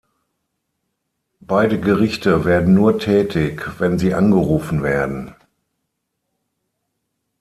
Beide Gerichte werden nur tätig, wenn sie angerufen werden.